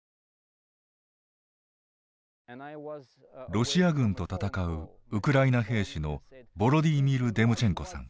ロシア軍と戦うウクライナ兵士のヴォロディーミル・デムチェンコさん。